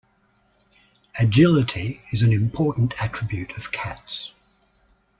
Agility is an important attribute of cats.